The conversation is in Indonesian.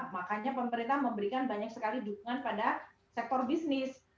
makanya pemerintah memberikan banyak sekali dukungan pada sektor bisnis